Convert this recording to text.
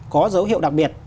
có dấu hiệu đặc biệt